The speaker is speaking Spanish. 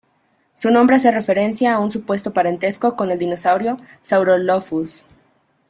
Su nombre hace referencia a un supuesto parentesco con el dinosaurio "Saurolophus".